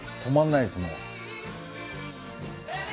止まんないです